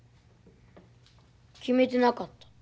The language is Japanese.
決めてなかった。